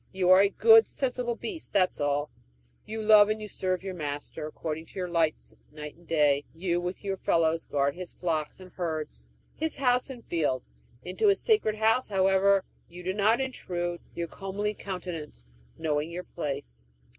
You are a good, sensible beast, that's all. You love and serve your master, according to your lights; night and day, you, with your fellows, guard his flocks and herds, his house and fields. Into his sacred house, however, you do not intrude your comely countenance, knowing your place."